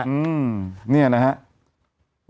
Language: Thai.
อืมนี่นะฮะ